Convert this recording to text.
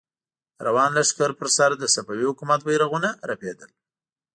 د روان لښکر پر سر د صفوي حکومت بيرغونه رپېدل.